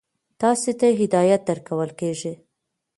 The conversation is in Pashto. تاسې ته هدایت درکول کیږي.